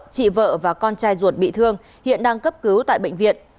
chị vợ và con trai ruột bị thương hiện đang cấp cứu tại bệnh viện